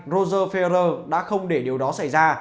roger ferrer đã không để điều đó xảy ra